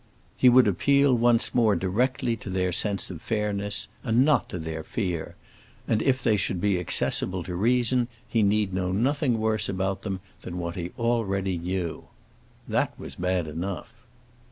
He would appeal once more directly to their sense of fairness, and not to their fear, and if they should be accessible to reason, he need know nothing worse about them than what he already knew. That was bad enough.